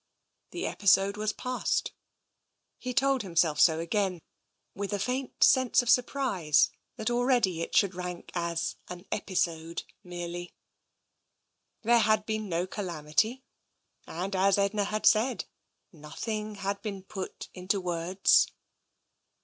The episode was past. He told himself so again, with a faint sense of 1 2^o TENSION surprise that already it should rank as an episode merely. There had been no calamity, and, as Edna had said, nothing had been put into words.